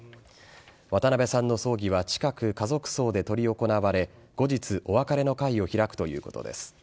渡辺さんの葬儀は近く家族葬で執り行われ後日お別れの会を開くということです。